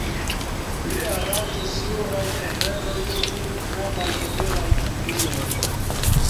Li aranĝis jurajn aferojn de gravaj nobelaj familioj.